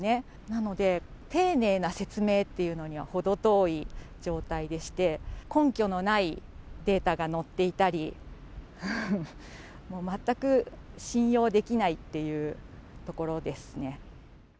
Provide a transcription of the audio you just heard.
なので、丁寧な説明っていうのには程遠い状態でして、根拠のないデータが載っていたり、もう全く信用できないっていうところですね。